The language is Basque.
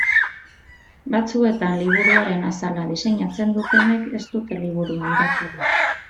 Batzuetan liburuaren azala diseinatzen dutenek ez dute liburua irakurri.